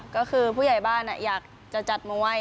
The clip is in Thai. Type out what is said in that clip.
ก็คือผู้ใหญ่บ้านอยากจะจัดมวย